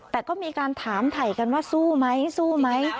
แต่ก็มีการถามถ่ายกันว่าสู้ไหมสู้ไหม